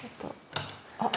あ！